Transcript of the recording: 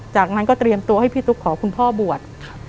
จากนั้นก็เตรียมตัวให้พี่ตุ๊กขอคุณพ่อบวช